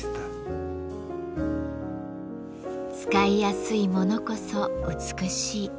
使いやすいものこそ美しい。